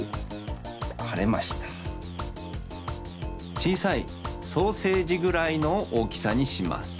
ちいさいソーセージぐらいのおおきさにします。